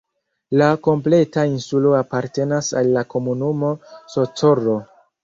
La kompleta insulo apartenas al la komunumo Socorro.